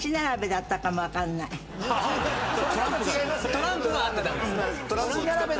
トランプは合ってたんですね。